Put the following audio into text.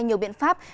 hay nhiều biện pháp